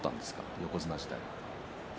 横綱時代。